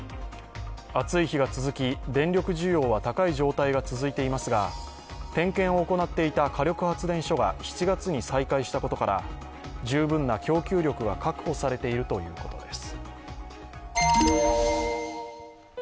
暑い日が続き、電力需要は高い状態が続いていますが点検を行っていた火力発電所が７月に再開したことから十分な供給力が確保されているということです。